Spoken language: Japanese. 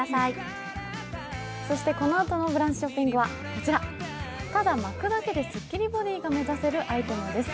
そして、このあとの「ブランチショッピング」はこちら、ただ巻くだけでスッキリボディーが目指せるアイテムです。